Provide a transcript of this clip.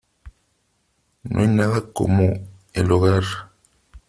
¡ No hay nada como el hogar !